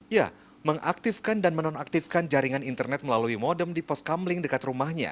ya mengaktifkan dan menonaktifkan jaringan internet melalui modem di pos kamling dekat rumahnya